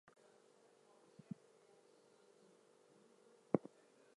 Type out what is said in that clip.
Usually within a year of attack, the needles will have turned red.